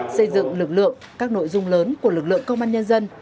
xây dựng lực lượng các nội dung lớn của lực lượng công an nhân dân